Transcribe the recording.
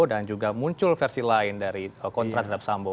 dan juga muncul versi lain dari kontra terhadap sambo